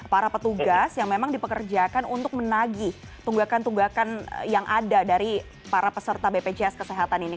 para petugas yang memang dipekerjakan untuk menagi tunggakan tunggakan yang ada dari para peserta bpjs kesehatan ini